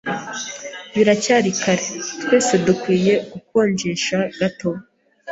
Biracyari kare. Twese dukwiye gukonjesha gato.